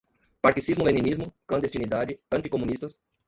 Marxismo-leninismo, clandestinidade, anti-comunistas